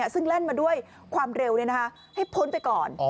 ซึ่งแร่นมาด้วยความเร็วเนี่ยนะคะให้พ้นไปก่อน